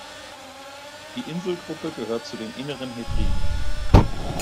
Die Inselgruppe gehört zu den Inneren Hebriden.